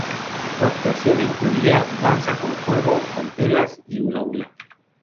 Su actuación incluía danza con fuego, con telas y hula-hula.